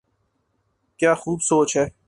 کیا خوب سوچ ہے۔